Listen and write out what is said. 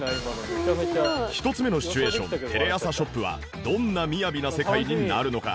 １つ目のシチュエーションテレアサショップはどんな雅な世界になるのか？